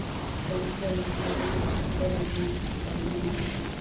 Polisi walipiga kambi usiku wa Ijumaa katika eneo ambako